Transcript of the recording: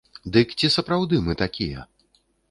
Дык ці сапраўды мы такія?